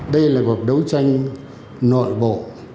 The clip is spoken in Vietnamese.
đây là cuộc đấu tranh nội bộ